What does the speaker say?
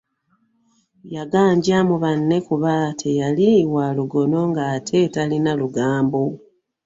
Yaganja mu banne kuba teyali wa lugono ng'ate talina lugambo.